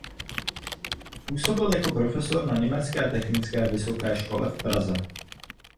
Působil jako profesor na Německé technické vysoké škole v Praze.